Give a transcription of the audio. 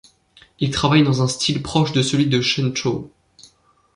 Il travaille dans un style proche de celui de Shen Zhou.